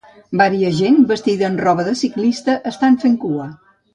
Varia gent vestida amb roba de ciclista estan fent cua.